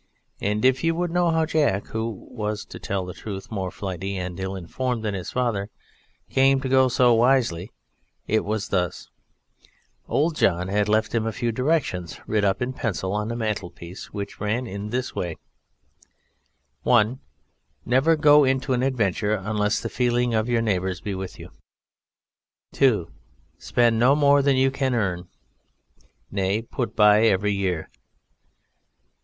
And if you would know how Jack (who was, to tell the truth, more flighty and ill informed than his father) came to go so wisely, it was thus: Old John had left him a few directions writ up in pencil on the mantelpiece, which ran in this way: 1. Never go into an adventure unless the feeling of your neighbours be with you. 2. Spend no more than you earn nay, put by every year.